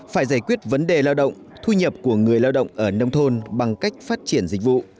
phải giải quyết vấn đề lao động thu nhập của người lao động ở nông thôn bằng cách phát triển dịch vụ